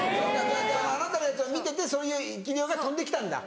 あなたのやつを見ててそういう生き霊が飛んで来たんだ。